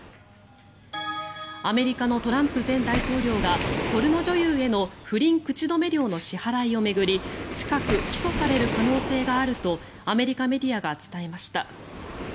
アメリカのトランプ前大統領がポルノ女優への不倫口止め料の支払いを巡り近く起訴される可能性があるとアメリカメディアが伝えました。